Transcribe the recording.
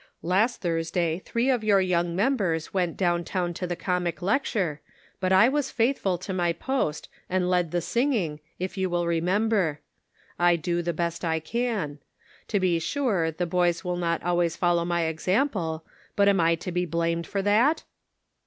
Last Thursday three of your young members went down town to the comic lecture, but I 124 The Pocket Measure. was faithful to my post and led the singing, if you will remember. I do the best 1 can. To be sure the boys will not always follow my example ; but am I to be blamed for that